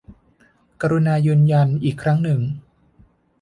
กรุณายืนยันอีกครั้งหนึ่ง